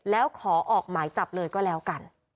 แล้วขอออกหมายจับเลยก็แล้วกัน